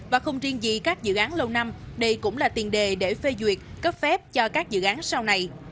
và không riêng gì các dự án lâu năm đây cũng là tiền đề để phê duyệt cấp phép cho các dự án sau này